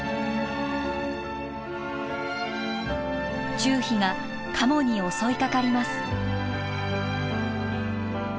チュウヒがカモに襲いかかります。